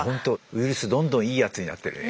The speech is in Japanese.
ウイルスどんどんいいやつになってるね。